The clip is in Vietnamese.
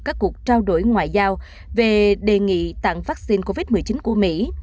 các cuộc trao đổi ngoại giao về đề nghị tặng vắc xin covid một mươi chín của mỹ